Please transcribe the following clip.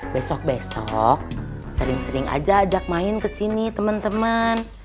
besok besok sering sering aja ajak main kesini temen temen